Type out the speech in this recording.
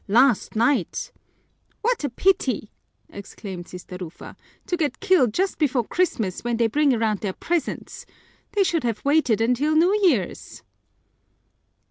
Last night " "What a pity!" exclaimed Sister Rufa. "To get killed just before Christmas when they bring around their presents! They should have waited until New Year's."